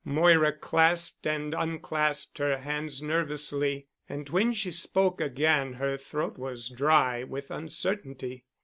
Moira clasped and unclasped her hands nervously, and when she spoke again her throat was dry with uncertainty.